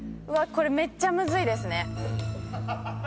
これめっちゃむずいですね。